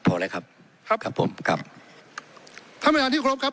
พอแล้วครับครับผมครับท่านประธานที่ครบครับ